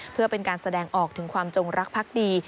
เพื่อเป็นการแสดงออกถึงความจงรักพักดี